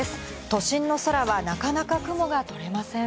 都心の空はなかなか雲が取れません。